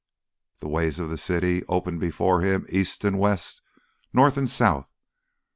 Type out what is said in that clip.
The ways of the city opened before him east and west, north and south.